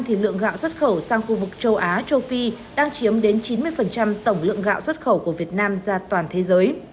thì lượng gạo xuất khẩu sang khu vực châu á châu phi đang chiếm đến chín mươi tổng lượng gạo xuất khẩu của việt nam ra toàn thế giới